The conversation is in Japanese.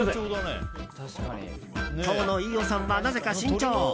今日の飯尾さんはなぜか慎重。